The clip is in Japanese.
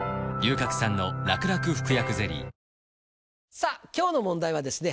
さぁ今日の問題はですね